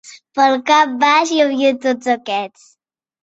Pel cap baix, hi havia tots aquests.